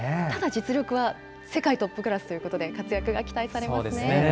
ただ、実力は世界トップクラスということで、活躍が期待されますね。